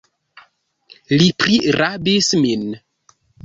Li prirabis min!